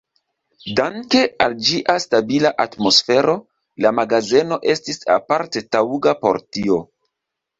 Danke al ĝia stabila atmosfero, la magazeno estis aparte taŭga por tio.